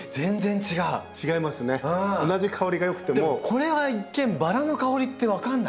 これは一見バラの香りって分かんないよ。